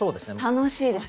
楽しいです。